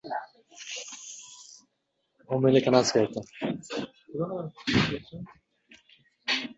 Bitta bola-yu, men va oʻzingni kirlaring boʻlsa edi.